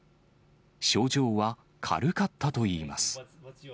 症状は軽かったといいます。